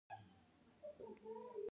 د لمر ګل غوړي د څه لپاره وکاروم؟